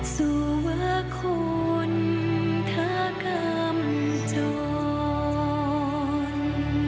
สุวคคลทะกำจร